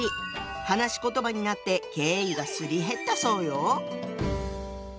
話し言葉になって敬意がすり減ったそうよ。